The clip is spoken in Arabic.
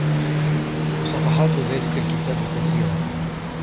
صفحات ذلك الكتاب كثيرة